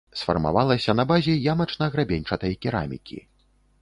Сфармавалася на базе ямачна-грабеньчатай керамікі.